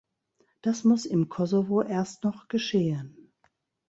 Das muss im Kosovo erst noch geschehen!